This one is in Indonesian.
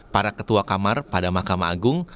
para ketua kamar pada mahkamah agung